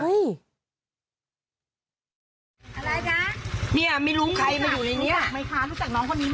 อะไรนะเนี่ยไม่รู้ใครมาอยู่ในนี้ไหมคะรู้จักน้องคนนี้ไหม